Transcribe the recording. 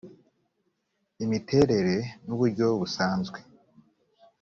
imiterere n uburyo bwasabwe